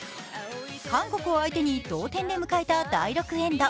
韓国を相手に同点で迎えた第６エンド。